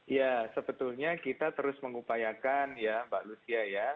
ya sebetulnya kita terus mengupayakan ya mbak lucia ya